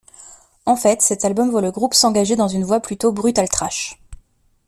En fait, cet album voit le groupe s'engager dans une voie plutôt brutal thrash.